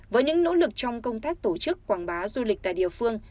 với những nỗ lực trong công tác tổ chức quảng bá du lịch tại địa phương